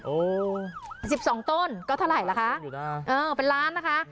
โอ้โห๑๒ต้นก็เท่าไหร่ล่ะคะเออเป็นล้านนะคะ